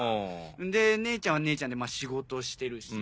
んで姉ちゃんは姉ちゃんで仕事してるし。